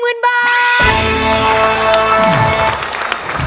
ร้องได้ให้ร้อง